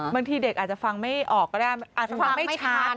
บางทีเด็กอาจจะฟังไม่ออกก็ได้อาจจะฟังไม่ชัด